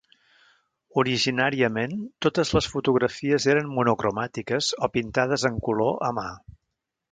Originàriament, totes les fotografies eren monocromàtiques o pintades en color a mà.